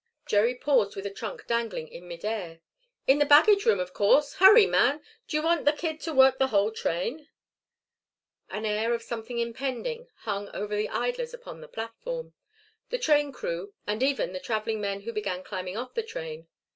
Jerry paused with a trunk dangling in mid air. "In the baggage room, of course. Hurry, man. Do you want the kid to work the whole train?" An air of something impending hung over the idlers upon the platform, the train crew, and even the travelling men who began climbing off the train.